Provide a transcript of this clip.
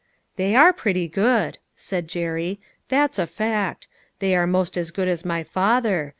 " They are pretty good," said Jerry, " that's a fact ; they are most as good as my father.